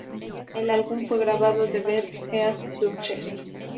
El álbum fue grabado en Battle, East Sussex.